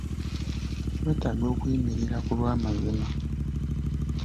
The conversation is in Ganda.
Wetaaga okuyimirira ku lw'amazima.